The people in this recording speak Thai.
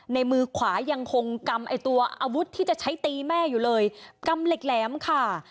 ในมือขวายังคงกำไอ้ตัวอาวุธที่จะใช้ตีแม่อยู่เลยกำเหล็กแหลมค่ะ